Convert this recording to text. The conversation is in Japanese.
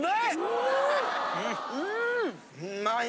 うまい！